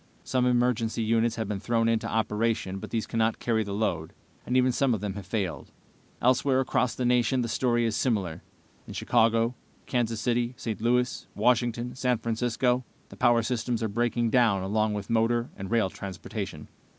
Some emergency units have been thrown into operation, but these cannot carry the load, and even some of them have failed. Elsewhere, across the nation, the story is similar. In Chicago, Kansas City, St. Louis, Washington, San Francisco the power systems are breaking down along with motor and rail transportation.